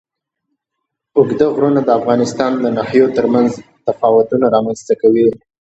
اوږده غرونه د افغانستان د ناحیو ترمنځ تفاوتونه رامنځ ته کوي.